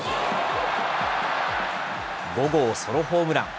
５号ソロホームラン。